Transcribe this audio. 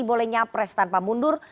boleh nyapres tanpa mundur